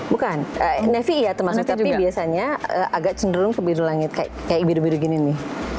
bukan navi iya temannya tapi biasanya agak cenderung ke biru langit kayak biru biru gini nih